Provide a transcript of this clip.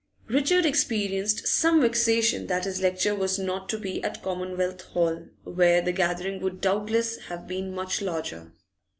Richard experienced some vexation that his lecture was not to be at Commonwealth Hall, where the gathering would doubtless have been much larger.